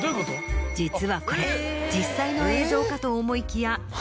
実はこれ実際の映像かと思いきや。